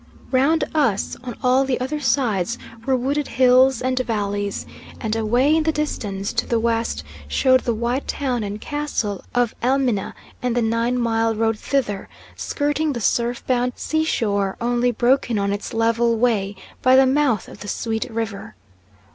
Round us on all the other sides were wooded hills and valleys, and away in the distance to the west showed the white town and castle of Elmina and the nine mile road thither, skirting the surf bound seashore, only broken on its level way by the mouth of the Sweet River.